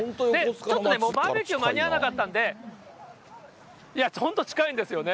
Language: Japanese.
ちょっとね、バーベキュー間に合わなかったんで、いや、本当近いんですよね。